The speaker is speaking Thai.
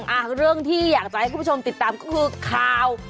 อ่ะเรื่องที่อยากจะให้คุณผู้ชมติดตามก็คือข่าว